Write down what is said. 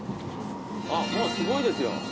あっもうすごいですよ。